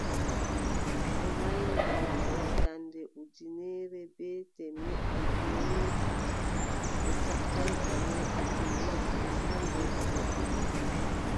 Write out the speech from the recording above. O maynaama hitaande ujineere bee temeɗɗe joweetati bee cappanɗe nay e joweeɗiɗi haa nder wuro Ƴoola.